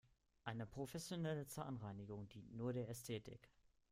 Eine professionelle Zahnreinigung dient nur der Ästhetik.